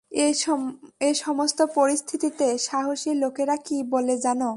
এ সমস্ত পরিস্থিতিতে সাহসী লোকেরা কী বলে জানো?